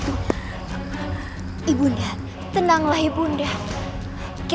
tuhan yang terbaik